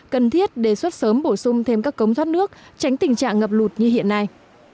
cần thiết đề xuất sớm bổ sung thêm các cống thoát nước tránh tình trạng ngập lụt như hiện nay